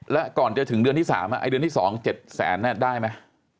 แล้วก่อนจะถึงเดือนที่๓ไอเดือนที่๒๗แสนได้ไหม